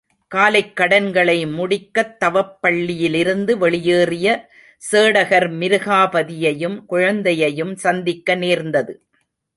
காலைக் கடன்களை முடிக்கத் தவப்பள்ளியிலிருந்து வெளியேறிய சேடகர் மிருகாபதியையும் குழந்தையையும் சந்திக்க நேர்ந்தது.